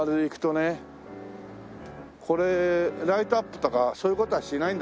これライトアップとかそういう事はしないんだね。